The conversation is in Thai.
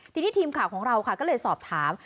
ทีนี้ทีมข่าวของเราค่ะก็เลยสอบถาม